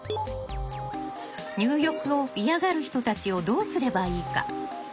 入浴を嫌がる人たちをどうすればいいか。